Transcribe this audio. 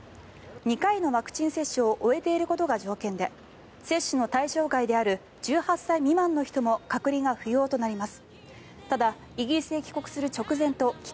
２回のワクチン接種を終えていることが条件で接種の対象外である１８歳未満の人も隔離が不要となります。